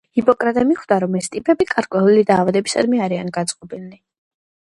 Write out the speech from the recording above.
ჰიპოკრატე მიხვდა, რომ ეს ტიპები გარკვეული დაავადებებისადმი არიან განწყობილი.